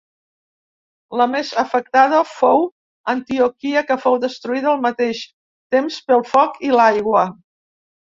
La més afectada fou Antioquia que fou destruïda al mateix temps pel foc i l'aigua.